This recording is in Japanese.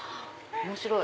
面白い！